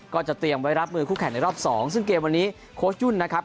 ก็จะเตรียมไว้รับมือคู่แข่งในรอบสองซึ่งเกมวันนี้โค้ชยุ่นนะครับ